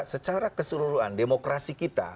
secara keseluruhan demokrasi kita